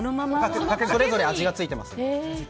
それぞれ味が付いています。